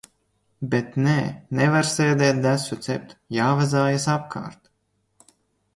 Bet nē, nevar sēdēt desu cept, jāvazājas apkārt.